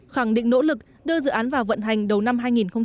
khẳng định nỗ lực đưa dự án vào vận hành đầu năm hai nghìn hai mươi